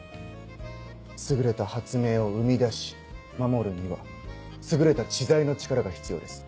優れた発明を生み出し守るには優れた知財の力が必要です。